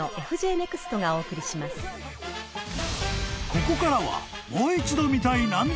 ［ここからは］